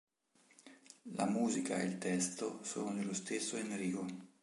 La musica e il testo sono dello stesso Endrigo.